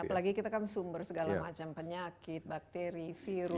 apalagi kita kan sumber segala macam penyakit bakteri virus